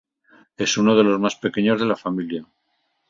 Es uno de los más pequeños de la familia.